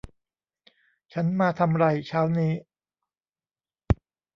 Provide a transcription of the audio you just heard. ฉันมาทำไรเช้านี้